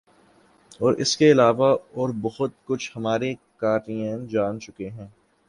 اور اس کے علاوہ اور بھی بہت کچھ ہمارے قارئین جان چکے ہیں ۔